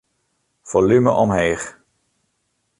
Folume omheech.